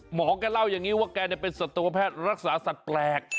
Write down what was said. แกเล่าอย่างนี้ว่าแกเป็นสัตวแพทย์รักษาสัตว์แปลก